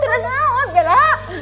tidur nau bella